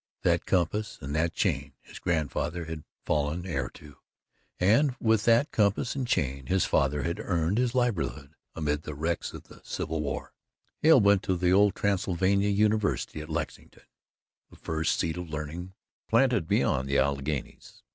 That compass and that chain his grandfather had fallen heir to and with that compass and chain his father had earned his livelihood amid the wrecks of the Civil War. Hale went to the old Transylvania University at Lexington, the first seat of learning planted beyond the Alleghanies.